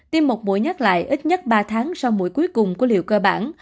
tiêm một mũi nhắc lại ít nhất ba tháng sau mũi cuối cùng của liệu cơ bản